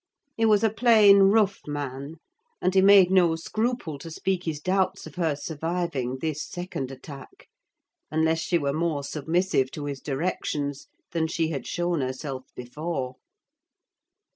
He was a plain rough man; and he made no scruple to speak his doubts of her surviving this second attack; unless she were more submissive to his directions than she had shown herself before.